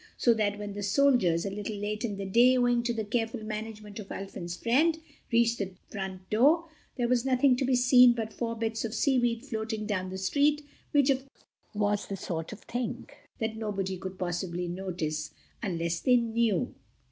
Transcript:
So that when the soldiers, a little late in the day, owing to the careful management of Ulfin's friend, reached the front door, there was nothing to be seen but four bits of seaweed floating down the street, which, of course, was the sort of thing that nobody could possibly notice unless they knew.